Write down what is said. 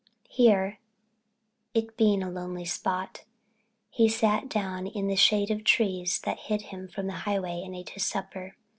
Here—it being a lonely spot—he sat down in the shade of the trees that hid him from the highway and ate his supper.